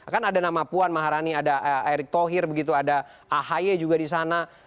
kan ada nama puan maharani ada erick thohir begitu ada ahy juga di sana